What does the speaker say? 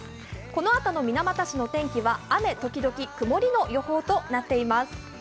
このあとの水俣市の天気は雨時々曇りの予報となっています。